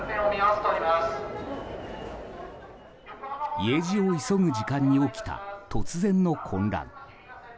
家路を急ぐ時間に起きた突然の混乱。